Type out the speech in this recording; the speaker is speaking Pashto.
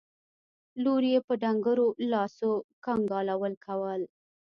لور يې په ډنګرو لاسو کنګالول کول.